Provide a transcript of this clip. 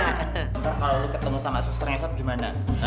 ntar kalo lu ketemu sama susur nge sot gimana